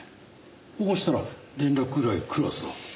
保護したら連絡くらい来るはずだ。